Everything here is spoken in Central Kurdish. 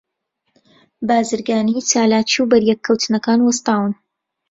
بازرگانی، چالاکی، و بەریەک کەوتنەکان وەستاون